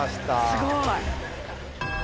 すごい。